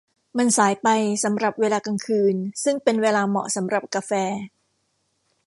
มันสายไปสำหรับเวลากลางคืนซึ่งเป็นเวลาเหมาะสำหรับกาแฟ